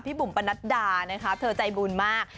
บุ๋มปนัดดานะคะเธอใจบุญมาก